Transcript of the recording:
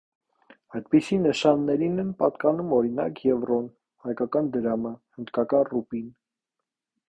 Այդպիսի նշաններին են պատկանում, օրինակ եվրոն, հայկական դրամը, հնդկական ռուպին։